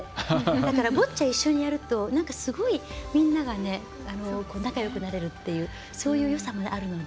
だから、ボッチャ一緒にやるとみんなが仲よくなれるってそういうよさもあるので。